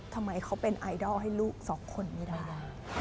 ทำไมเขาเป็นไอดอลให้ลูกสองคนไม่ได้